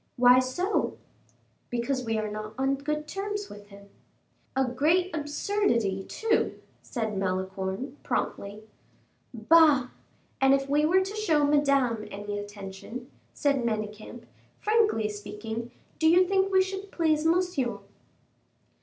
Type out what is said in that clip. "Why so?" "Because we are not on good terms with him." "A great absurdity, too," said Malicorne, promptly. "Bah! and if we were to show Madame any attention," said Manicamp, "frankly speaking, do you think we should please Monsieur?"